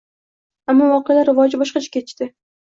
Ammo voqealar rivoji boshqacha kechdi.